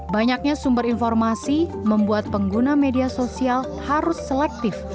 banyaknya sumber informasi membuat pengguna media sosial harus selektif